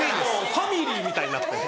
ファミリーみたいになって。